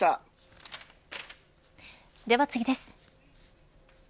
では次です。